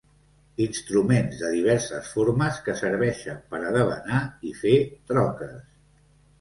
Instruments de diverses formes que serveixen per a debanar i fer troques.